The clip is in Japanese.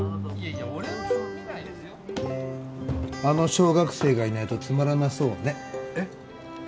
ああの小学生がいないとつまらなそうねえっ？